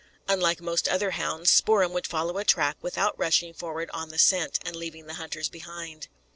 Unlike most other hounds, Spoor'em would follow a track without rushing forward on the scent, and leaving the hunters behind.